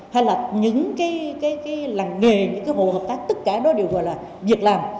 hay là những cái làng nghề những cái hộ hợp tác tất cả đó đều là việc làm